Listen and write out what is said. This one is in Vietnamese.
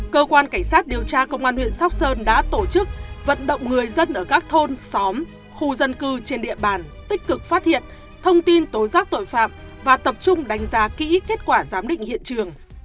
cơ quan cảnh sát điều tra công an huyện sóc sơn đã tổ chức vận động người dân ở các thôn xóm khu dân cư trên địa bàn tích cực phát hiện thông tin tố giác tội phạm và tập trung đánh giá kỹ kết quả giám định hiện trường